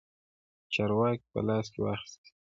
د چارو واګې په لاس کې واخیستې.